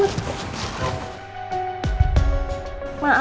saya masih pernah menangis